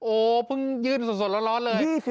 โอ้เพิ่งยืนสดแล้วร้อนเลย